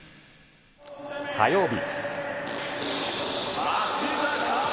火曜日。